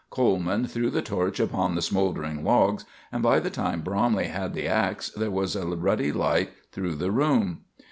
Coleman threw the torch upon the smoldering logs, and by the time Bromley had the ax there was a ruddy light through the room.